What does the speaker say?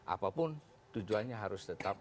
apapun tujuannya harus tetap